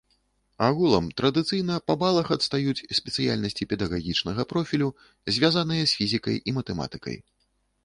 Агулам традыцыйна па балах адстаюць спецыяльнасці педагагічнага профілю, звязаныя з фізікай і матэматыкай.